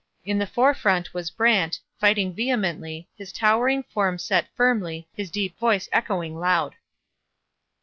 In the forefront was Brant, fighting vehemently, his towering form set firmly, his deep voice echoing loud.